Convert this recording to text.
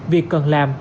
việc cần làm